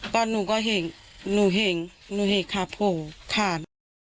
ตอนนึกก็เห็นนึงเห็นค่ะพ่อขา